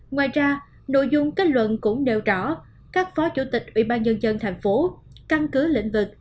ngoài ra nội dung kết luận cũng nêu rõ các phó chủ tịch ybnd tp căn cứ lĩnh vực